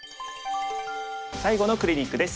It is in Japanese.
最後のクリニックです。